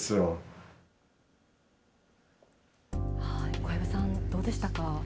小籔さん、どうでしたか？